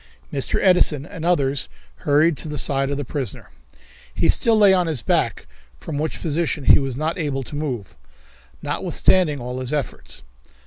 Mr. Edison and others hurried to the side of the prisoner. He still lay on his back, from which position he was not able to move, notwithstanding all his efforts.